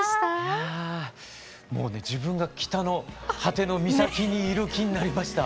もうね自分が北の果ての岬にいる気になりました。